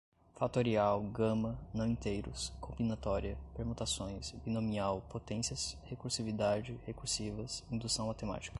fatorial, gama, não-inteiros, combinatória, permutações, binomial, potências, recursividade, recursivas, indução matemática